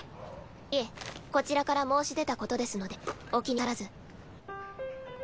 いえこちらから申し出たことですのでお気になさらず。